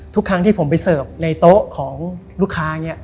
ทุกครั้งที่ผมไปเสิร์ฟในโต๊ะของลูกค้า